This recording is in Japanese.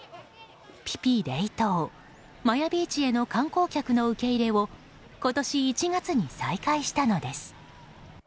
ピピ・レイ島、マヤビーチへの観光客の受け入れを今年１月に再開したのです。